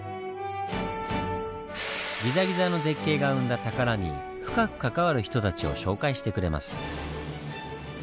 ギザギザの絶景が生んだ宝に深く関わる人たちを紹介してくれます。